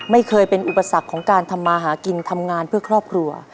ไม่เคยเป็นอุปสรรคของการทำมาหากินทำงานเพื่อครอบครัว